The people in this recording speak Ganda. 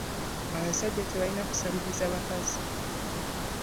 Abasajja tebalina kusabiriza bakazi.